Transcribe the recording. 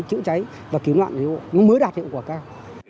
chữa cháy và kiếm loạn lưới hộ mới đạt hiệu quả cao